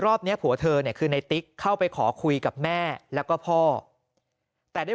รอบนี้ผัวเธอเนี่ยคือในติ๊กเข้าไปขอคุยกับแม่แล้วก็พ่อแต่ด้วย